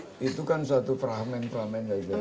enggak itu kan suatu peramen peramen lagi